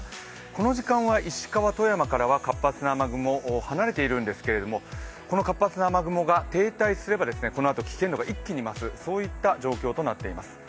この時間は石川、富山からは活発な雨雲離れているんですけれども、この活発な雨雲が停滞すれば、このあと危険度が一気に増すといった状況となっています。